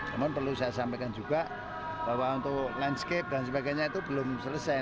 namun perlu saya sampaikan juga bahwa untuk landscape dan sebagainya itu belum selesai